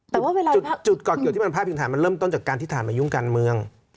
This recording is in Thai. จุดเกาะเกี่ยวกับที่มันพาดพิงทหารมันเริ่มต้นจากการทิศทานมายุ่งกันเมือง